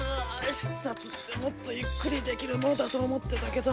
視察ってもっとゆっくりできるものだと思ってたけど。